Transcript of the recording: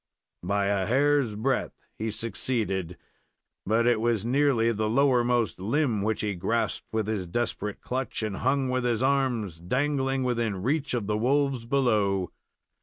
By a hair's breadth he succeeded. But it was nearly the lowermost limb which he grasped with his desperate clutch, and hung with his arms dangling within reach of the wolves below.